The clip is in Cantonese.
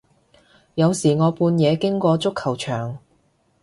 有時我半夜經過足球場